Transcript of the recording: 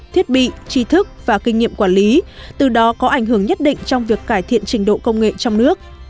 thiết bị chi thức và kinh nghiệm quản lý từ đó có ảnh hưởng nhất định trong việc cải thiện trình độ công nghệ trong nước